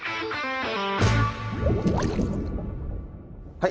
はい。